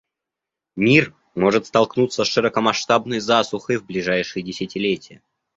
Мир может столкнуться с широкомасштабной засухой в ближайшие десятилетия.